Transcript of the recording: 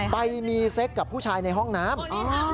ไปมีเซ็กกับผู้ชายในห้องน้ำ